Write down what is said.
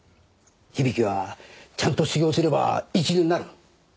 響はちゃんと修業すれば一流になる。